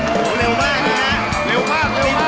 โหเร็วมากนะเร็วมากเร็วมาก